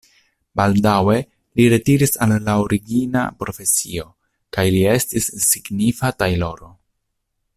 Baldaŭe li retiris al la origina profesio kaj li estis signifa tajloro.